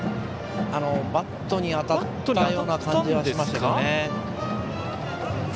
バットに当たったような感じがしましたけどね。